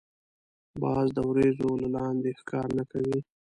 باز د وریځو له لاندی ښکار نه کوي